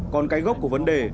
còn cái gốc của vấn đề